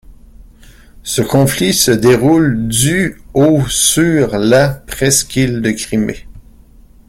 Ce conflit se déroule du au sur la presqu'île de Crimée.